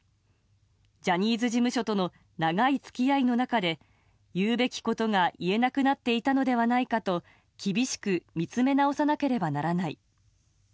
ジャニーズ事務所との長い付き合いの中で言うべきことが言えなくなっていたのではないかと厳しく見つめ直さなければならない。